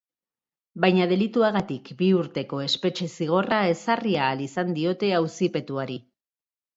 Baina delituagatik bi urteko espetxe-zigorra ezarri ahal izan diote auzipetuari.